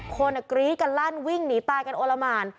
คนกรี๊ดกันลั่นวิ่งหนีตายกันโอละหมาน